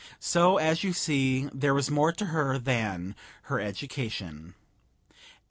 So, as you see, there was more to her than her education.